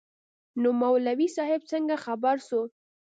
نو مولوي صاحب څنگه خبر سو.